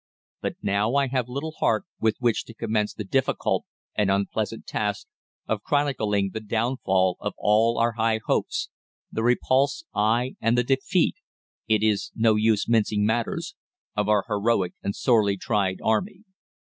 But now I have little heart with which to commence the difficult and unpleasant task of chronicling the downfall of all our high hopes, the repulse ay, and the defeat it is no use mincing matters of our heroic and sorely tried Army.